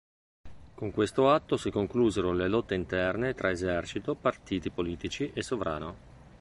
Con questo atto si conclusero le lotte interne tra esercito, partiti politici e sovrano.